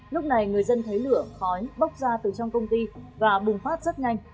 lúc này người dân thấy lửa khói bốc ra từ trong công ty và bùng phát rất nhanh